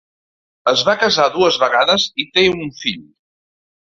Es va casar dues vegades i té un fill.